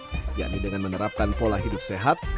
yang diperlukan dengan menerapkan pola hidup sehat